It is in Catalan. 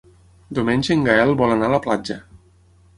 Diumenge en Gaël vol anar a la platja.